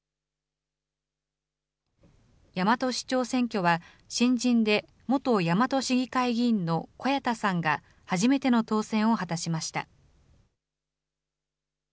大和市長選挙は、新人で元大和市議会議員の古谷田さんが初めての当選を果たしました。